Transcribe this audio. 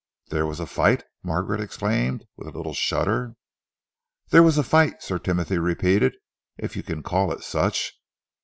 "There was a fight?" Margaret exclaimed, with a little shudder. "There was a fight," Sir Timothy repeated, "if you can call it such.